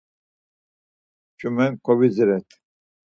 Ç̌umen kovidziret.